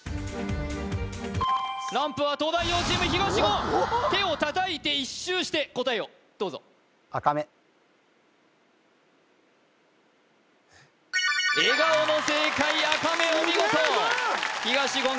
ランプは東大王チーム東言手を叩いて一周して答えをどうぞ笑顔の正解アカメお見事東言